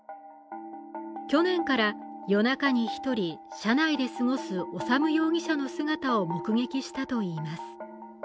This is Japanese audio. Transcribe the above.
去年から夜中に１人、車内で過ごす修容疑者の姿を目撃したといいます。